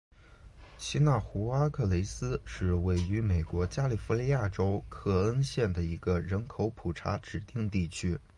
奇纳湖阿克雷斯是位于美国加利福尼亚州克恩县的一个人口普查指定地区。